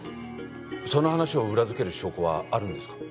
その話を裏付ける証拠はあるんですか？